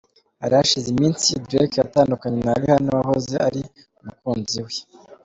Hari hashize iminsi Drake atandukanye na Rihanna wahoze ari umukunzi we.